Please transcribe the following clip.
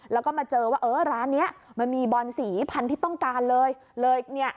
แล้วก็มาเจอว่าเออร้านนี้มันมีบอนสีพันธุ์ที่ต้องการเลยเลยเนี่ย